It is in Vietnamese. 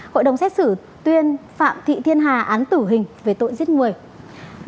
hội đồng xét xử tuyên phạm thị thiên hà án tử hình về tội giết người